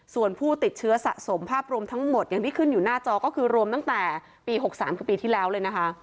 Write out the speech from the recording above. ส่วนผู้ติดเชื้อสะสมภาพรวมทั้งหมดอย่างที่ขึ้นอยู่หน้าจอก็คือรวมตั้งแต่ปี๖๓คือปีที่แล้วเลยนะคะ